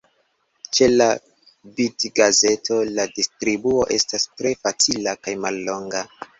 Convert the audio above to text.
Ĉe la bitgazeto la distribuo estas tre facila kaj mallonga.